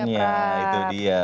makanya itu dia